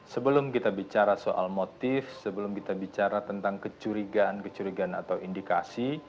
sebelum kita bicara soal motif sebelum kita bicara tentang kecurigaan kecurigaan atau indikasi